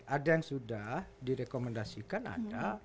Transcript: ada yang sudah direkomendasikan ada